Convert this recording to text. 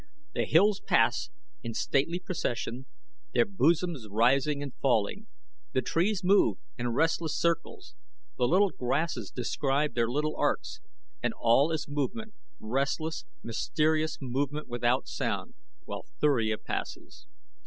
"The hills pass in stately procession, their bosoms rising and falling; the trees move in restless circles; the little grasses describe their little arcs; and all is movement, restless, mysterious movement without sound, while Thuria passes."